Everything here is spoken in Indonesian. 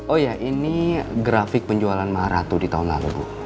oh iya ini grafik penjualan maharatu di tahun lalu